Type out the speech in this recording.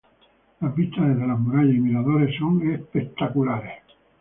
Las vistas desde las murallas y miradores son espectaculares.